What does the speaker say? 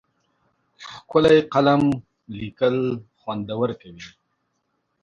ښکلی قلم لیکل خوندور کوي.